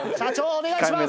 お願いします！